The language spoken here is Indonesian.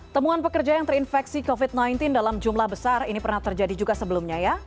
temuan pekerja yang terinfeksi covid sembilan belas dalam jumlah besar ini pernah terjadi juga sebelumnya ya